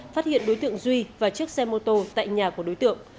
phát hiện đối tượng duy và chiếc xe mô tô tại nhà của đối tượng